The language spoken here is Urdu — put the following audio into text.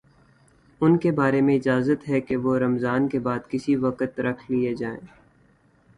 ان کے بارے میں اجازت ہے کہ وہ رمضان کے بعد کسی وقت رکھ لیے جائیں